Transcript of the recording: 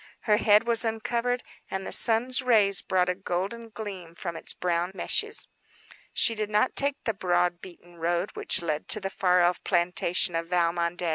Her hair was uncovered and the sun's rays brought a golden gleam from its brown meshes. She did not take the broad, beaten road which led to the far off plantation of Valmondé.